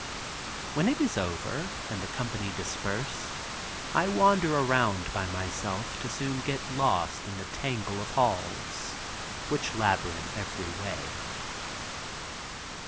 When it is over, and the company dispersed, I wander around by myself to soon get lost in the tangle of halls, which labyrinth every way.